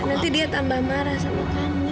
nanti dia tambah marah sama kamu